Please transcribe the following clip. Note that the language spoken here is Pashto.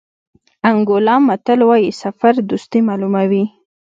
انګولا متل وایي سفر دوستي معلوموي.